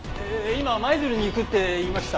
今舞鶴に行くって言いました？